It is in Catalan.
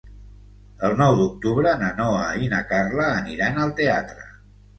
El nou d'octubre na Noa i na Carla aniran al teatre.